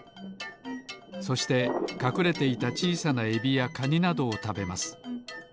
そしてかくれていたちいさなエビやカニなどをたべます。